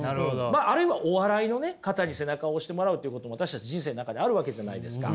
あるいはお笑いの方に背中を押してもらうっていうことも私たち人生の中であるわけじゃないですか。